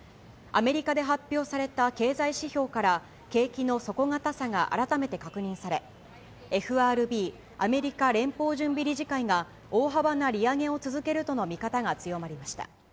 アメリカで発表された経済指標から景気の底堅さが改めて確認され、ＦＲＢ・アメリカ連邦準備理事会が大幅な利上げを続けるとの見方が強まりました。